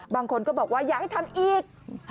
บางคนก็บอกว่าอยากให้ทำอีก